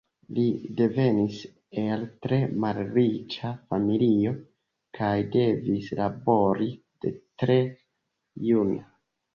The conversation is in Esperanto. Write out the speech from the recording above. Li devenis el tre malriĉa familio kaj devis labori de tre juna.